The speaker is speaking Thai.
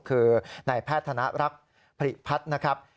คือในแพทย์ธนรักภิพัฒน์นะครับ